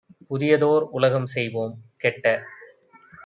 புதியதோர் உலகம் செய்வோம் - கெட்ட